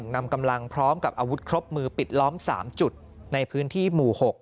นำกำลังพร้อมกับอาวุธครบมือปิดล้อม๓จุดในพื้นที่หมู่๖